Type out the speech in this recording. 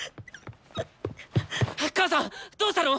母さんどうしたの！？